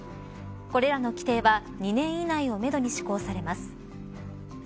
これらの規定は２年以内をめどに施行されます。